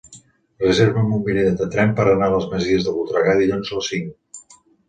Reserva'm un bitllet de tren per anar a les Masies de Voltregà dilluns a les cinc.